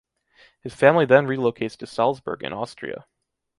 His family then relocates to Salzburg in Austria.